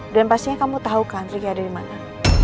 dan pastinya kamu tahu kan ricky ada di mana